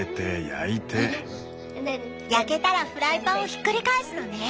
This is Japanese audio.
焼けたらフライパンをひっくり返すのね！